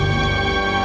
gue mau pergi ke rumah